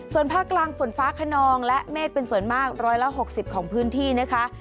ส่วนภาคกลางฝนฟ้าขนองและเมฆเป็นส่วนมาก๑๖๐ของพื้นที่นะคะ